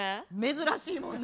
珍しいもんな。